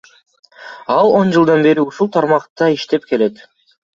Ал он жылдан бери ушул тармакта иштеп келет.